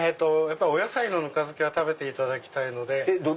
お野菜のぬか漬けは食べていただきたいので。